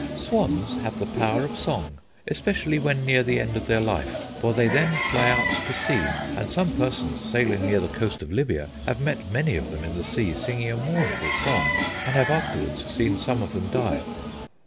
"Swans have the power of song, especially when near the end of their life; for they then fly out to sea, and some persons sailing near the coast of Libya have met many of them in the sea singing a mournful song, and have afterwards seen some of them die."